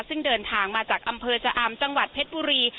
ซึ่งเดินทางมาจากอำเภอชะอำจังหวัดเพชรบุรี